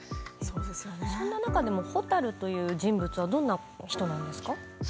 そんな中でもほたるという人物はどんな人なんですか？